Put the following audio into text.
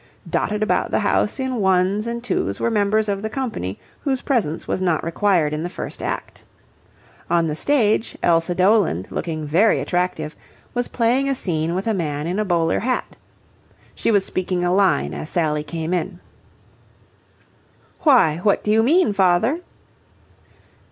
Dotted about the house in ones and twos were members of the company whose presence was not required in the first act. On the stage, Elsa Doland, looking very attractive, was playing a scene with a man in a bowler hat. She was speaking a line, as Sally came in. "Why, what do you mean, father?"